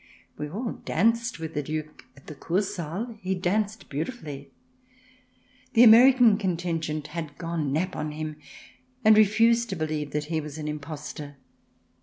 We all danced with the Duke at the Kur Saal ; he danced beautifully. The American contingent had gone nap on him, and refused to believe that he was an imposter.